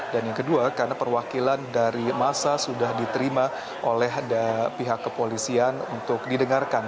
dan yang kedua karena perwakilan dari masa sudah diterima oleh pihak kepolisian untuk didengarkan